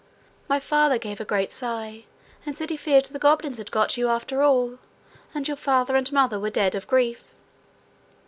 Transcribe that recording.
My father gave a great sigh, and said he feared the goblins had got you, after all, and your father and mother were dead of grief.